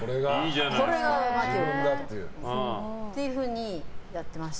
これが真木よう子だと。っていうふうにやってました。